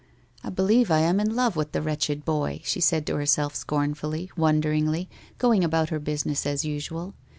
* I believe I am in love with the wretched boy !' she said to herself scornfully, wonderingly, going about her business as usual.